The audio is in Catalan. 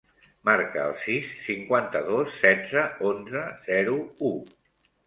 Marca el sis, cinquanta-dos, setze, onze, zero, u.